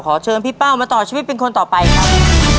เชิญพี่เป้ามาต่อชีวิตเป็นคนต่อไปครับ